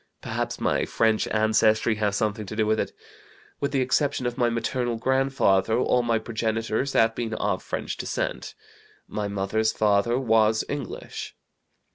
Perhaps my French ancestry has something to do with it. With the exception of my maternal grandfather, all my progenitors have been of French descent. My mother's father was English.